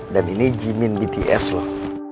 dan ini jimin bts loh